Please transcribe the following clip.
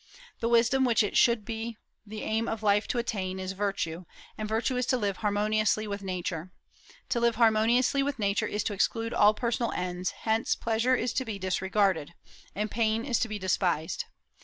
The wisdom which it should be the aim of life to attain is virtue; and virtue is to live harmoniously with Nature. To live harmoniously with Nature is to exclude all personal ends; hence pleasure is to be disregarded, and pain is to be despised.